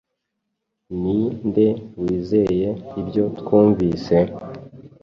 Ni nde wizeye ibyo twumvise?